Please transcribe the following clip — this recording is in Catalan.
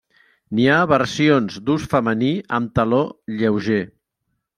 N'hi ha versions d'ús femení amb taló lleuger.